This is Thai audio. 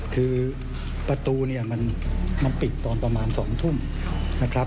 คือประตูเนี่ยมันปิดตอนประมาณ๒ทุ่มนะครับ